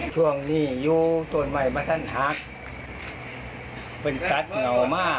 ช่วงนี้อยู่ตัวใหม่บรรทัศน์ฮักษ์เป็นพัฒน์เหงามาก